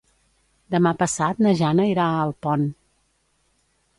Demà passat na Jana irà a Alpont.